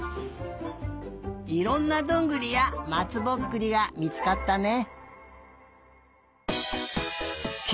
いろんなどんぐりやまつぼっくりがみつかったね。